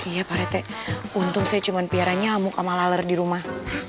iya pak rete untung saya cuma piharanya amuk sama laler di rumah